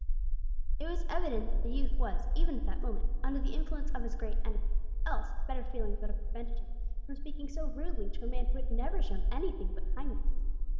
It was evident that the youth was, even at that moment, under the influence of his great enemy, else his better feelings would have prevented him from speaking so rudely to a man who had never shown him anything but kindness.